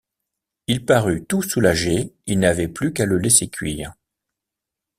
Il parut tout soulagé, il n’avait plus qu’à le laisser cuire.